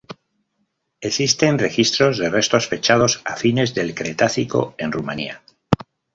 Existen registros de restos fechados a fines del Cretácico en Rumania.